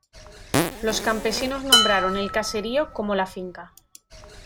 Los campesinos nombraron el caserío como la finca.